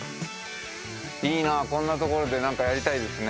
いいなこんなところでなんかやりたいですね。